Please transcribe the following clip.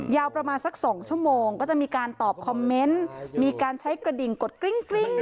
ยาวประมาณสัก๒ชั่วโมงก็จะมีการตอบคอมเมนต์มีการใช้กระดิ่งกดกริ้ง